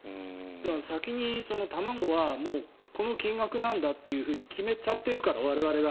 先に卵はこの金額なんだというふうに決めちゃっているから、我々が。